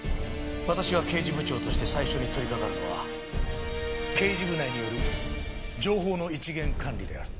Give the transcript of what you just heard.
私が刑事部長として最初に取りかかるのは刑事部内による情報の一元管理である。